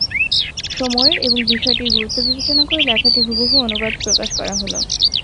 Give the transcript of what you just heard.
সময়ের এবং বিষয়টির গুরুত্ব বিবেচনা করে লেখাটি হুবহু অনুবাদ প্রকাশ করা হলো।